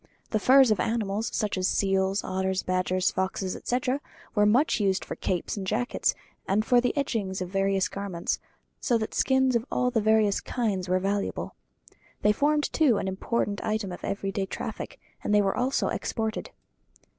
The furs of animals, such as seals, otters, badgers, foxes, etc., were much used for capes and jackets, and for the edgings of various garments, so that skins of all the various kinds were valuable. They formed, too, an important item of everyday traffic, and they were also exported.